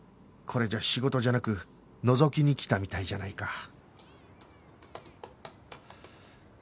これじゃ仕事じゃなくのぞきに来たみたいじゃないか